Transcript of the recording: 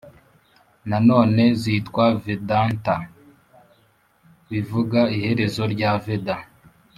nanone zitwa vedanta, bivuga iherezo rya veda